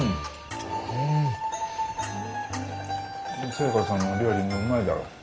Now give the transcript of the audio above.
寿恵子さんの料理もうまいだろう？